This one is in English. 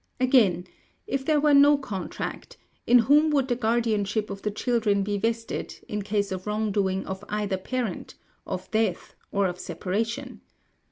Again, if there were no contract, in whom would the guardianship of the children be vested, in case of wrongdoing of either parent, of death, or of separation?